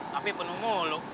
tapi penuh mulu